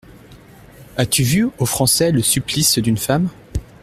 As-tu vu aux Français le Supplice d’une femme ?